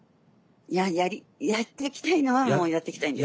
いややっていきたいのはもうやっていきたいんです。